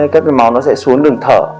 các biện pháp máu nó sẽ xuống đường thở